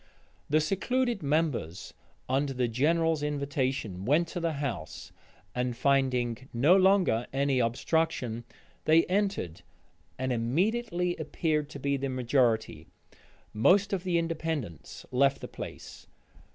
The secluded members, upon the general's invitation, went to the house, and finding no longer any obstruction, they entered, and immediately appeared to be the majority: most of the Independents left the place.